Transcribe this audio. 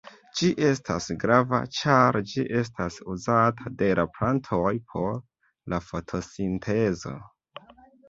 Ĝi estas grava ĉar ĝi estas uzata de la plantoj por la fotosintezo.